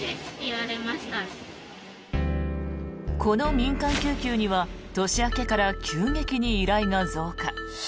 この民間救急には年明けから急激に依頼が増加。